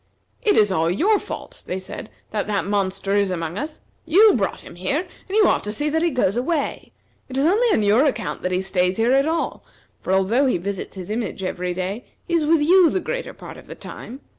"It is all your fault," they said, "that that monster is among us. You brought him here, and you ought to see that he goes away. It is only on your account that he stays here at all, for, although he visits his image every day, he is with you the greater part of the time.